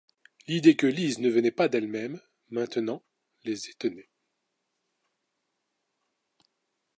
L’idée que Lise ne venait pas d’elle-même, maintenant, les étonnait.